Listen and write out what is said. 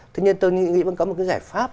tuy nhiên tôi nghĩ vẫn có một cái giải pháp